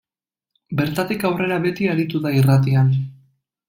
Bertatik aurrera beti aritu da irratian.